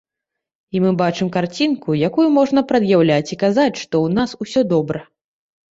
І мы бачым карцінку, якую можна прад'яўляць і казаць, што ў нас усё добра.